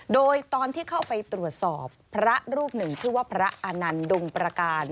โดยตอนที่เข้าไปตรวจสอบพระรูปหนึ่งชื่อว่าพระอานันต์ดงประการ